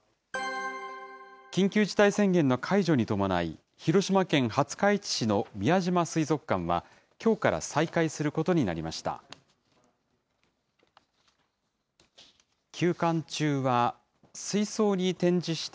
緊急事態宣言の解除に伴い、広島県廿日市市の宮島水族館はきょうから再開することになりました。